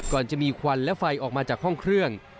ก่อนจะมีควันและไฟออกมาจากห้องเครื่อง